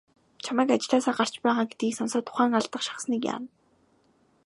Чамайг ажлаасаа гарч байгаа гэдгийг сонсоод ухаан алдах шахсаныг яана.